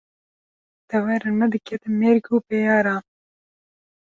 Dewarên me diketin mêrg û beyaran